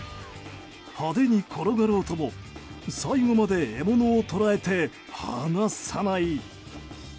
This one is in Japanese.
派手に転がろうとも最後まで獲物を捕らえて離さない。